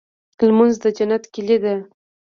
لمونځ د جنت کيلي ده.